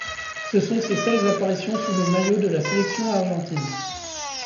Ce sont ses seules apparitions sous le maillot de la sélection argentine.